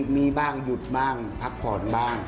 มีบ้างหยุดบ้างพักผ่อนบ้าง